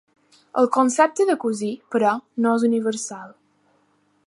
El concepte de cosí, però, no és universal.